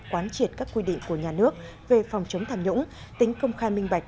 quán triệt các quy định của nhà nước về phòng chống tham nhũng tính công khai minh bạch